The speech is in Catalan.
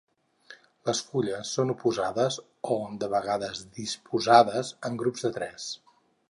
Les fulles són oposades o, de vegades disposades en grups de tres.